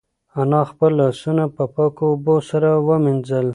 انا خپل لاسونه په پاکو اوبو سره ومینځل.